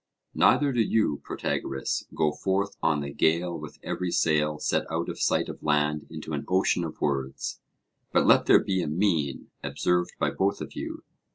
Neither do you, Protagoras, go forth on the gale with every sail set out of sight of land into an ocean of words, but let there be a mean observed by both of you.